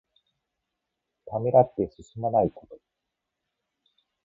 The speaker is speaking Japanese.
ためらって進まないこと。